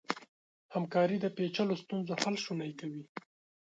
همکاري د پېچلو ستونزو حل شونی کوي.